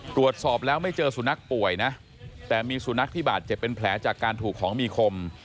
ตรวจสอบแล้วไม่เจอสุนัขป่วยนะแต่มีสุนัขที่บาดเจ็บเป็นแผลจากการถูกของมีคม